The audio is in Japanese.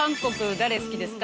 誰好きですか？」